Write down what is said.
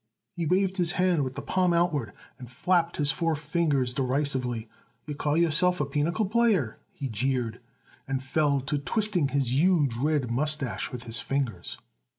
He waved his hand with the palm outward and flapped his four fingers derisively. "You call yourself a pinochle player!" he jeered, and fell to twisting his huge red mustache with his fingers.